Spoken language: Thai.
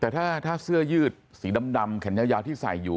แต่ถ้าเสื้อยืดสีดำแขนยาวที่ใส่อยู่